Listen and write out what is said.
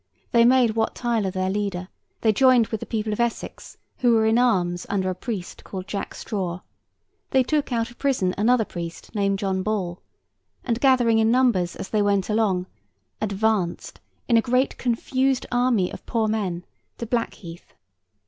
They made Wat Tyler their leader; they joined with the people of Essex, who were in arms under a priest called Jack Straw; they took out of prison another priest named John Ball; and gathering in numbers as they went along, advanced, in a great confused army of poor men, to Blackheath.